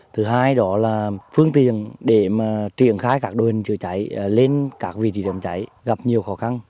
thứ hai đó là phương tiền để triển khai các đồn chữa cháy lên các vị trí dòng cháy gặp nhiều khó khăn